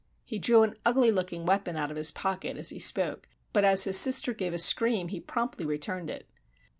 He drew an ugly looking weapon out of his pocket as he spoke, but as his sister gave a scream he promptly returned it.